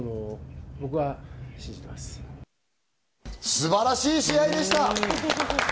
素晴らしい試合でした！